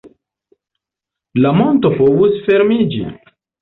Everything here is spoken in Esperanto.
La monto povus fermiĝi.